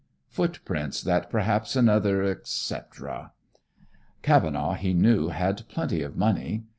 "Footprints that perhaps another," etc. Cavenaugh, he knew, had plenty of money.